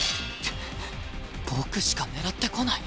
僕しか狙ってこない？